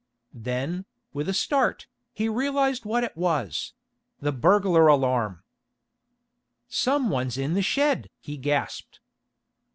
Then, with a start, he realized what it was the burglar alarm. "Some one's in the shed!" he gasped.